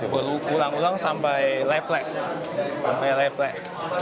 berulang ulang sampai leplek